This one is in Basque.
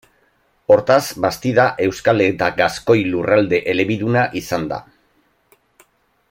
Hortaz, Bastida euskal eta gaskoi lurralde elebiduna izan da.